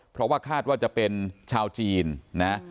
เพราะว่าคาดว่าจะเป็นชาวจีนนะ